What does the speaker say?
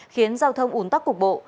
khiến giao thông ủn tắc cục bộ